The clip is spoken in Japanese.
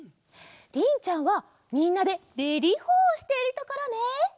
りんちゃんはみんなで「レリホー！」をしているところね！